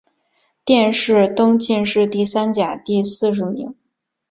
殿试登进士第三甲第四十名。